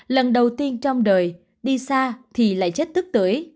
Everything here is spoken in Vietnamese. lần đầu tiên trong đời đi xa thì lại chết tức tưới